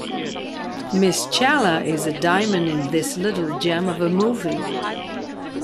Ms Chawla is a diamond in this little gem of a movie.